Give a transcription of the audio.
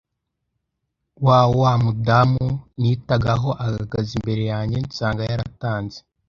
wa wa mudamu nitagaho ahagaze imbere yanjye nsanga yaratanze